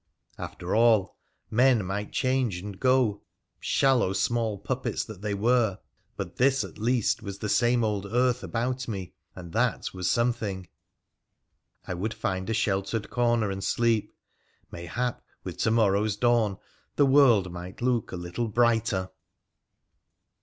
After all, men might change and go— shallow, small puppets that they were !— but this, at least, was the same old earth about me, and that was something. I would find a sheltered corner and sleep. Mayhap, with to morrow'a dawn the world might look a little brighter